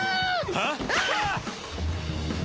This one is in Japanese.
あっ！